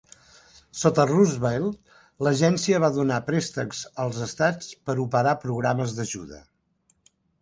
Sota Roosevelt, l'agència va donar préstecs als Estats per operar programes d'ajuda.